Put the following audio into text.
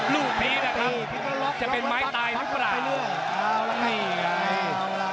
ลูกพีชนะครับจะเป็นไม้ตายหรือเปล่า